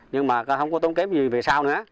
nhưng mà không có tốn kém gì về sau nữa